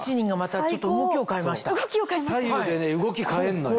左右でね動き変えんのよ。